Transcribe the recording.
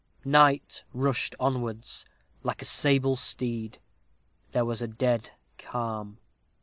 Night rushed onwards, like a sable steed. There was a dead calm.